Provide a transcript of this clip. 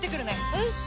うん！